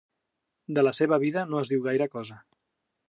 De la seva vida no es diu gaire cosa.